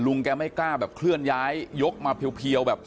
ลุงแกไม่กล้าเคลื่อนย้ายยกมาเพียว